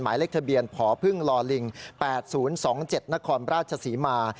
หมายเลขทะเบียนพพลิง๘๐๒๗นครราชศรีมา